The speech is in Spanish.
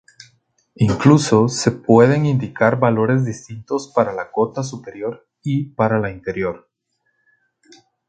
Incluso se pueden indicar valores distintos para la cota superior y para la inferior.